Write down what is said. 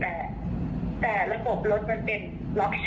แต่ระบบรถมันเป็นล็อคชายอะค่ะชายที่ว่าลองเด็กห้ามลงจากรถอะค่ะ